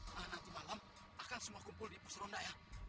nah nanti malam akan semua kumpul di pusronda ya